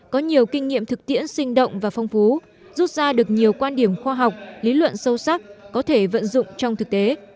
có nhiều kinh nghiệm thực tiễn sinh động và phong phú rút ra được nhiều quan điểm khoa học lý luận sâu sắc có thể vận dụng trong thực tế